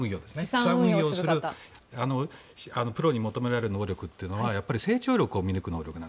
資産運用するプロに求められる能力というのは成長力を見抜く能力。